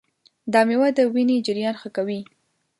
دا مېوه د وینې جریان ښه کوي.